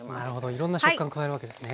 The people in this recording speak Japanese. いろんな食感加えるわけですね。